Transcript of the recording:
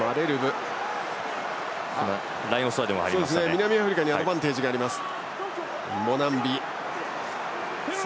南アフリカにアドバンテージがあります。